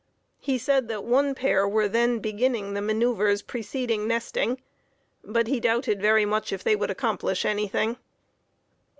He says that one pair were then beginning the maneuvers preceding nesting, but he doubted very much if they would accomplish anything.